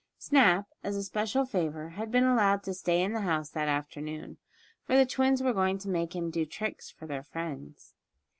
Snap, as a special favor, had been allowed to stay in the house that afternoon, for the twins were going to make him do tricks for their friends.